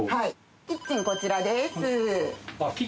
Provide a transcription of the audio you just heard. キッチンこちらです。